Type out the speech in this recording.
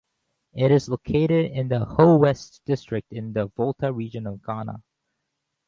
It is located in the Ho West District in the Volta Region of Ghana.